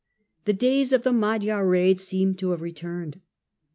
The days of the Magyar raids seemed to have returned.